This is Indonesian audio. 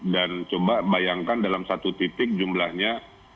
dan coba bayangkan dalam satu titik jumlahnya